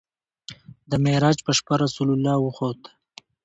د معراج په شپه رسول الله وخوت.